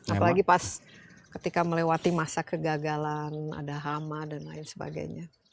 apalagi pas ketika melewati masa kegagalan ada hama dan lain sebagainya